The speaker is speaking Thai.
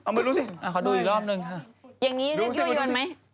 อ่ะขอดูอีกรอบนึงค่ะ